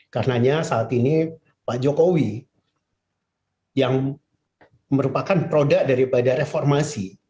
karena saat ini pak jokowi yang merupakan produk dari reformasi